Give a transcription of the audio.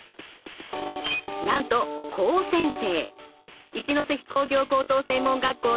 なんと高専生。